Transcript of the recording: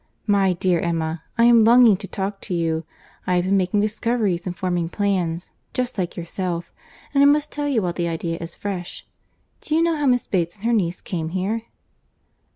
My dear Emma, I am longing to talk to you. I have been making discoveries and forming plans, just like yourself, and I must tell them while the idea is fresh. Do you know how Miss Bates and her niece came here?"